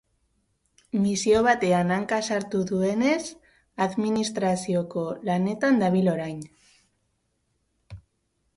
Misio batean hanka sartu duenez, administrazioko lanetan dabil orain.